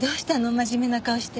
真面目な顔して。